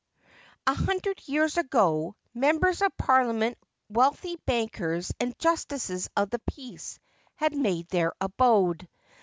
a hundred years ago. members of Parliament, wealthy backers. and justices of the peace, had made their abode.